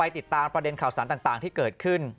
ติดตามประเด็นข่าวสารต่างที่เกิดขึ้น